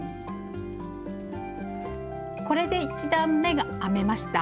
これで１段めが編めました。